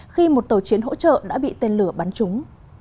khi một tàu chiến hỗ trợ đã bị tên lửa bắn trúng